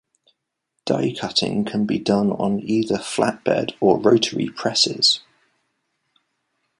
Die cutting can be done on either flatbed or rotary presses.